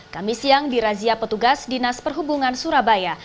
kami siang dirazia petugas dinas perhubungan surabaya